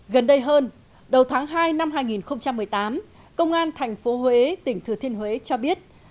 gần đây hơn đầu tháng hai năm hai nghìn một mươi tám công an tp huế tỉnh thừa thiên huế cho biết